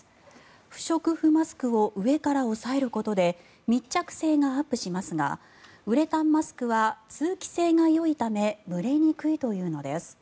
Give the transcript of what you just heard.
不織布マスクを上から押さえることで密着性がアップしますがウレタンマスクは通気性がよいため蒸れにくいというのです。